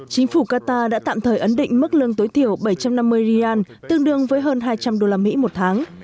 chính phủ qatar đã tạm thời ấn định mức lương tối thiểu bảy trăm năm mươi rial tương đương với hơn hai trăm linh đô la mỹ một tháng